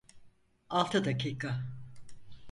Altı dakika.